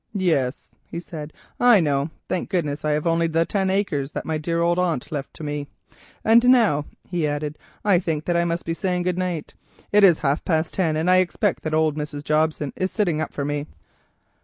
"Yes," he said, "I know. Thank goodness I have only the ten acres that my dear old aunt left to me. And now," he added, "I think that I must be saying good night. It is half past ten, and I expect that old Mrs. Jobson is sitting up for me."